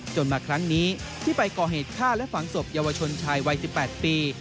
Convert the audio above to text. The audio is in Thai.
มาครั้งนี้ที่ไปก่อเหตุฆ่าและฝังศพเยาวชนชายวัย๑๘ปี